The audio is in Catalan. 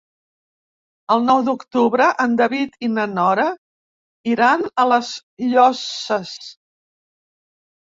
El nou d'octubre en David i na Nora iran a les Llosses.